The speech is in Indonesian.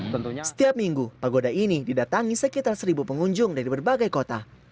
setiap minggu pagoda ini didatangi sekitar seribu pengunjung dari berbagai kota